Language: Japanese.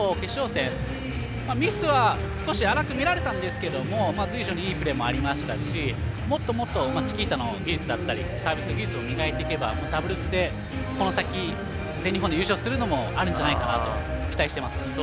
今日決勝戦、ミスは少し粗く見られたんですが随所にいいプレーもありましたしもっともっとチキータの技術だったりサービスの技術を磨いていけばダブルスで全日本で優勝するのもあるんじゃないかと期待しています。